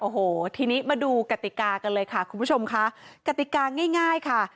โอ้โหทีนี้มาดูกติกากันเลยค่ะคุณผู้ชมค่ะกติกาง่ายง่ายค่ะ